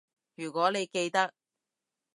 如果你記得